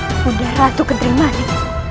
ibu nda ratu kedrimani